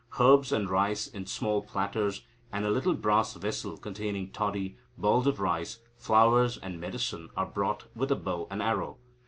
Herbs and rice in small platters, and a little brass vessel containing toddy, balls of rice, flowers, and medicine, are brought with a bow and arrow.